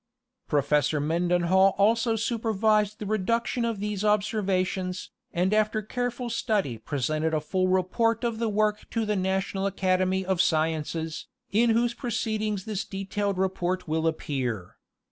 Professor Mendenhall also supervised the reduction of these ob servations, and after careful study presented a full report of the work to the National Academy of Sciences, in whose proceedings this detailed report will appear.